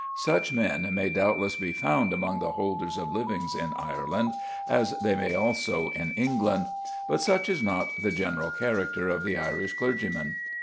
Such men may doubtless be found among the holders of livings in Ireland, as they may also in England; but such is not the general character of the Irish clergyman.